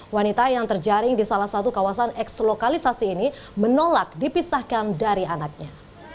wanita yang terjaring di salah satu kawasan eks lokalisasi ini menolak dipisahkan dari anaknya